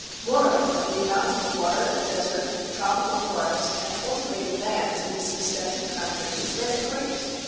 Moreover, the amount of water, desert, tropical forest, and cultivated land in this extent of country is very great.